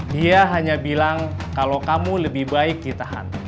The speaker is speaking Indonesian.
dia hanya bilang kalau kamu lebih baik ditahan